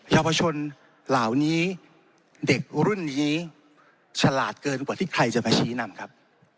เยาวชนเหล่านี้เด็กรุ่นนี้ฉลาดเกินกว่าที่ใครจะมาชี้นำครับ